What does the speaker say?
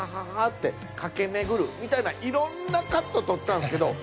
駆け巡るみたいないろんなカット撮ったんすけど。